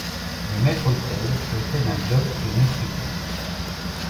Le maître-autel est fait d'un bloc de néphrite.